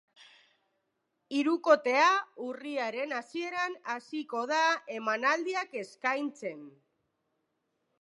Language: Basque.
Hirukotea urriaren hasieran hasiko da emanaldiak eskaintzen.